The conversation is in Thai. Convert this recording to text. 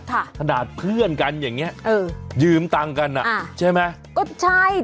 ถนาดเพื่อนกันอย่างนี้ยืมตังค์กันใช่ไหม